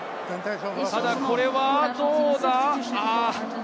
ただ、これはどうだ？